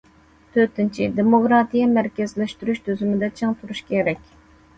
تۆتىنچى، دېموكراتىيە- مەركەزلەشتۈرۈش تۈزۈمىدە چىڭ تۇرۇش كېرەك.